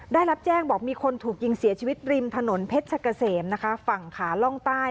ได้รับแจ้งบอกมีคนถูกยิงเสียชีวิตริมถนนเพชรกะเสมนะคะฝั่งขาล่องใต้